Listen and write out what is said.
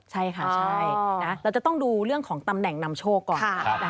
ใช่ค่ะใช่เราจะต้องดูเรื่องของตำแหน่งนำโชคก่อน